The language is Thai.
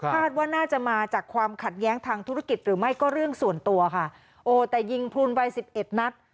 ว่าน่าจะมาจากความขัดแย้งทางธุรกิจหรือไม่ก็เรื่องส่วนตัวค่ะโอ้แต่ยิงพลูนวัยสิบเอ็ดนัด